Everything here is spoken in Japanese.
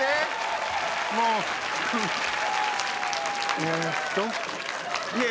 いやいや。